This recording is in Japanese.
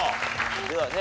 ではね